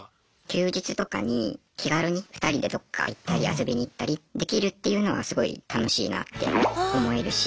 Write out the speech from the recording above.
休日とかに気軽に２人でどっか行ったり遊びに行ったりできるっていうのがすごい楽しいなって思えるし。